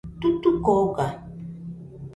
Tutuco oga.